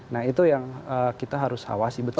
nah itu yang kita harus awasi betul